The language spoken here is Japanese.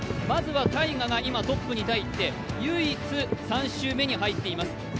まずはＴＡＩＧＡが今トップに立って、唯一３周目に入っています。